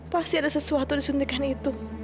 pasti ada sesuatu disuntikan itu